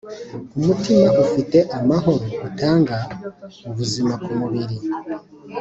umutima ufite amahoro utanga ubuzima kumubiri,